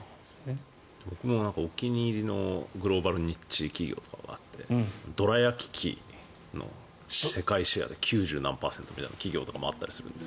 僕もお気に入りのグローバルニッチトップ企業があってどら焼き機の世界シェアで９０何パーセントみたいな企業もあったりするんです。